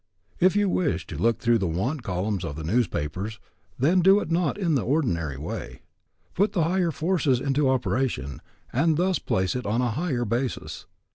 If you wish to look through the "want" columns of the newspapers, then do it not in the ordinary way. Put the higher forces into operation and thus place it on a higher basis.